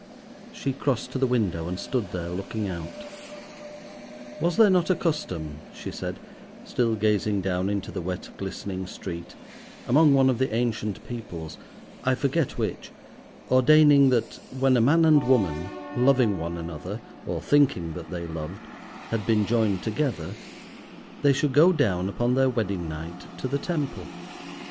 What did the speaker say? She crossed to the window and stood there, looking out. "Was there not a custom," she said, still gazing down into the wet, glistening street, "among one of the ancient peoples, I forget which, ordaining that when a man and woman, loving one another, or thinking that they loved, had been joined together, they should go down upon their wedding night to the temple?